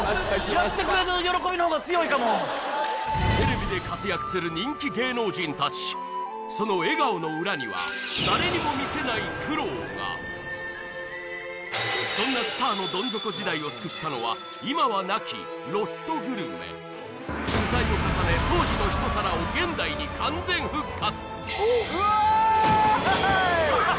やってくれた喜びの方が強いかもテレビで活躍する人気芸能人たちその笑顔の裏にはそんなスターのどん底時代を救ったのは今はなきロストグルメ取材を重ね当時の一皿を現代に完全復活うわーハハーイ！